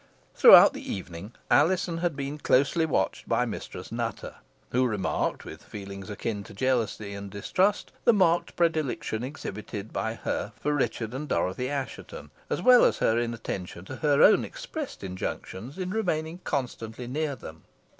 Throughout the evening Alizon had been closely watched by Mistress Nutter, who remarked, with feelings akin to jealousy and distrust, the marked predilection exhibited by her for Richard and Dorothy Assheton, as well as her inattention to her own expressed injunctions in remaining constantly near them.